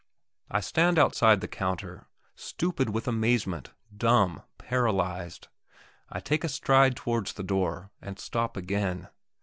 I stand outside the counter, stupid with amazement, dumb, paralyzed. I take a stride towards the door, and stop again.